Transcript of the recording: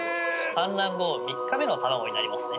産卵後３日目の卵になりますね。